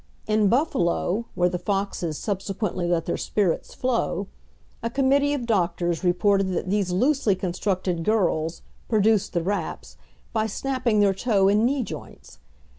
In Buffalo, where the Foxes subsequently let their spirits flow, a committee of doctors reported that these loosely constructed girls produced the "raps" by snapping their toe and knee joints.